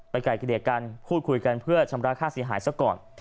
ไปไกลกระเด็กกันพูดคุยกันเพื่อชำระค่าเสียหายซักก่อน